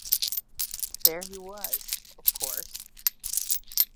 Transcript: There he was, of course.